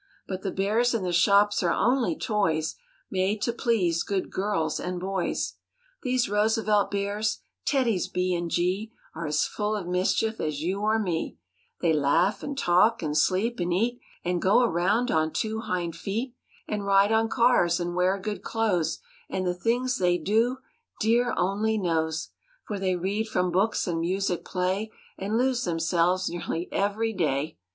But the bears in the shops are only toys Made to please good girls and boys. These Roosevelt Bears, TEDDIES B and G, Are as full of mischief as you or me; They laugh and talk and sleep and eat And go around on two hind feet And ride on cars and wear good clothes; And the things they do, dear only knows, For they read from books and music play And lose themselves nearly every day.